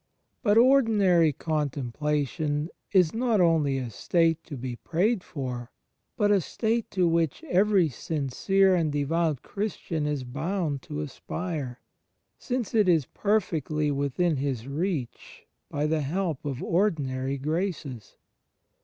... But Ordinary Contemplation is not only a state to be prayed for, but a state to which every sincere and devout Christian is boimd to aspire, since it is perfectly within his reach by the help of ordinary graces.